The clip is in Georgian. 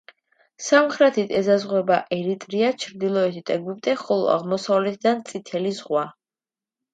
სამხრეთით ესაზღვრება ერიტრეა, ჩრდილოეთით ეგვიპტე, ხოლო აღმოსავლეთიდან წითელი ზღვა.